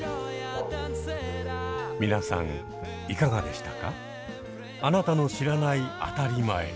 皆さんいかがでしたか？